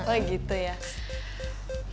oh gitu ya